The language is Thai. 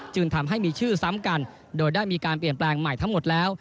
จึงทำให้มีชื่อซ้ำกันโดยได้มีการเปลี่ยนแปลงใหม่ทั้งหมดแล้ว